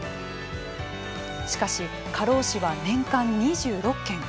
しかし、過労死は年間２６件。